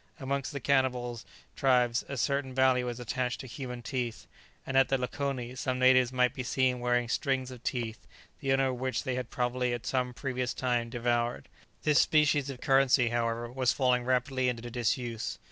Amongst the cannibal tribes a certain value is attached to human teeth, and at the lakoni some natives might be seen wearing strings of teeth, the owners of which they had probably, at some previous time, devoured. This species of currency, however, was falling rapidly into disuse.